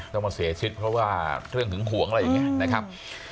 ต้องมาเสียชีวิตเพราะว่าเรื่องหึงหวงอะไรอย่างนี้นะครับ